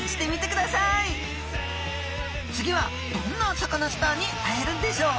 次はどんなサカナスターに会えるんでしょう。